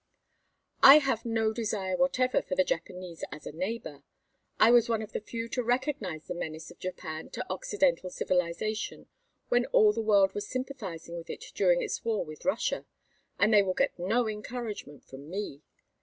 I have no desire whatever for the Japanese as a neighbor. I was one of the few to recognize the menace of Japan to Occidental civilization when all the world was sympathizing with it during its war with Russia, and they will get no encouragement from me.